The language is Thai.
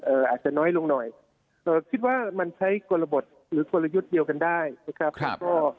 อาจจะน้อยลงหน่อยเอ่อคิดว่ามันใช้กลบทหรือกลยุทธ์เดียวกันได้นะครับแล้วก็